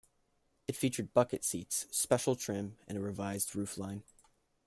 It featured bucket seats, special trim, and a revised roofline.